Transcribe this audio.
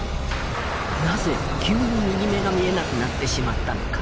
なぜ急に右目が見えなくなってしまったのか。